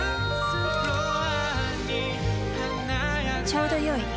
ちょうどよい。